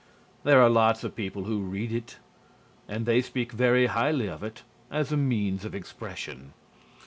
There are lots of people who read it and they speak very highly of it as a means of expression.